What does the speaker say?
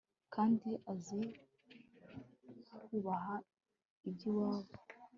kandi azi kubaha iby'iwabo